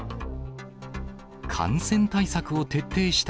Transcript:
感染対策を徹底した